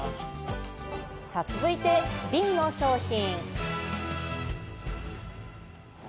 さぁ続いてＢの商品。